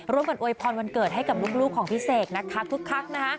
ร่วมกันอวยพรวันเกิดให้กับลูกของพี่เสกนะคะคลุกนะคะ